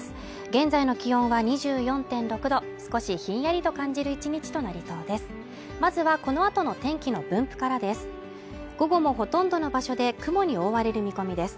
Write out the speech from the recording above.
現在の気温は２４．６度少しひんやりと感じる１日となりそうです